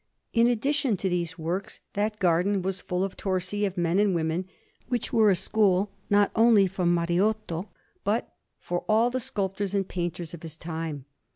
In addition to these works, that garden was full of torsi of men and women, which were a school not only for Mariotto, but for all the sculptors and painters of his time.